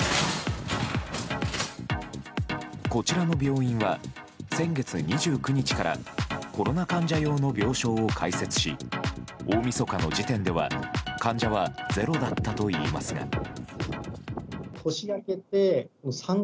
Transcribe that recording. こちらの病院は、先月２９日からコロナ患者用の病床を開設し大みそかの時点では患者はゼロだったといいますが。